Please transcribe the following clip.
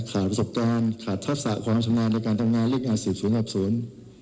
ขาดประสบการณ์ขาดทักษะความทำงานในการทำงานเรื่องงานศิษย์ศูนย์หลับศูนย์